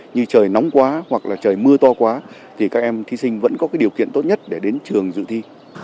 như trời nóng quá hoặc là trời mưa to quá thì các em thí sinh vẫn có cái điều kiện tốt nhất để đến trường dự thi